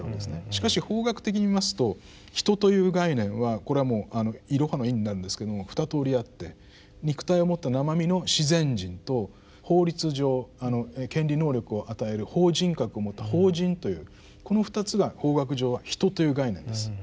しかし法学的に見ますと「人」という概念はこれはもうイロハのイになるんですけれどもふたとおりあって肉体を持った生身の自然人と法律上権利能力を与える法人格を持った法人というこの２つが法学上は「人」という概念です。